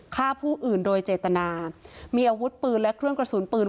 ฆ่าผู้อื่นโดยเจตนามีอาวุธปืนและเครื่องกระสุนปืน